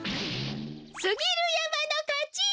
すぎるやまのかち！